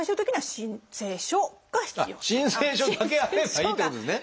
申請書だけあればいいってことですね。